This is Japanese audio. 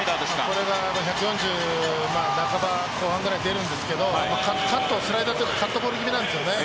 これが１４０半ば後半くらい出るんですけれども、カットボール気味なんですよね。